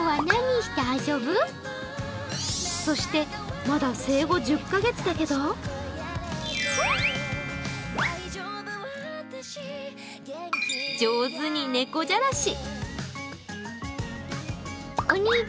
そして、まだ生後１０か月だけど、上手に猫じゃらし。